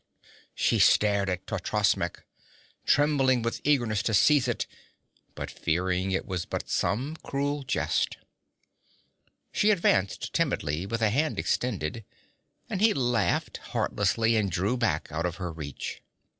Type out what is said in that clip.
She stared at Totrasmek, trembling with eagerness to seize it, but fearing it was but some cruel jest. She advanced timidly, with a hand extended, and he laughed heartlessly and drew back out of her reach.